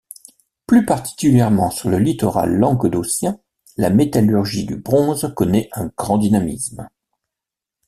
Plus particulièrement sur le littoral languedocien, la métallurgie du bronze connaît un grand dynamisme.